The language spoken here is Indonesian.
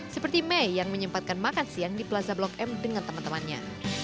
seperti mei yang menyempatkan makan siang di plaza blok m dengan teman temannya